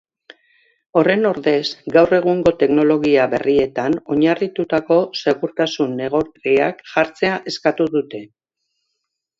Horren ordez, gaur egungo teknologia berrietan oinarritutako segurtasun neurriak jartzea eskatu dute.